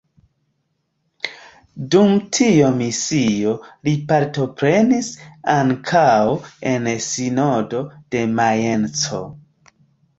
Dum tiu misio li partoprenis ankaŭ en sinodo de Majenco.